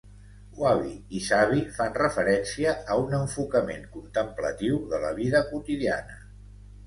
Wabi i sabi fan referència a un enfocament contemplatiu de la vida quotidiana.